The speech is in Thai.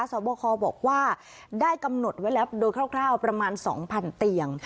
สอบคอบอกว่าได้กำหนดไว้แล้วโดยคร่าวประมาณ๒๐๐๐เตียง